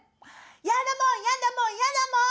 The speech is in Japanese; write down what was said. やだもんやだもんやだもん！